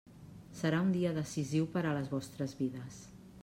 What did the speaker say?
Serà un dia decisiu per a les vostres vides.